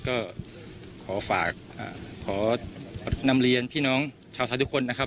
ก็ขอฝากขอนำเรียนพี่น้องชาวไทยทุกคนนะครับ